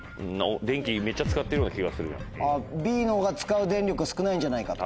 Ｂの方が使う電力少ないんじゃないかと。